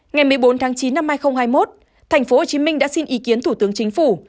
ngày một mươi bốn tháng chín năm hai nghìn hai mươi một tp hcm đã xin ý kiến thủ tướng chính phủ